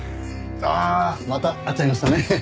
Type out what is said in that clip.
ああまた会っちゃいましたね。